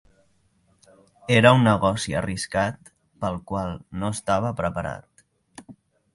Era un negoci arriscat, pel qual no estava preparat.